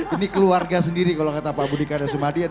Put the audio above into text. ini keluarga sendiri kalau kata pak budi kandasumadi